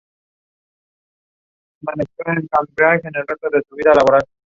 Posteriormente se trasladó a Seward Street en Hollywood.